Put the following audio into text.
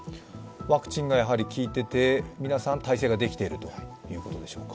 ワクチンが効いていて、皆さん耐性ができているということでしょうか。